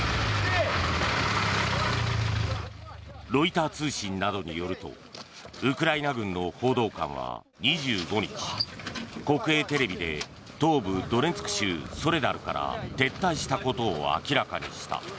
ロイター通信などによるとウクライナ軍の報道官は２５日国営テレビで東部ドネツク州ソレダルから撤退したことを明らかにした。